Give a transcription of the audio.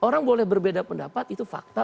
kalau saya mendapat itu fakta